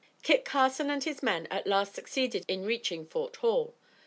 Kit Carson and his men, at last, succeeded in reaching Fort Hall.